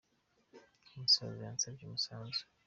Umusaza yansabye umusanzu